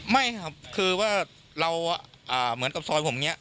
ไม่ครับคือว่าเราเหมือนกับซอยผมอย่างนี้